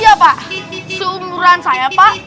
iya pak seumuran saya pak